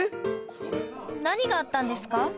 何があったんですか？